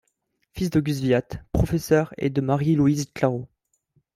Fils d'Auguste Viatte, professeur, et de Marie-Louise Claro.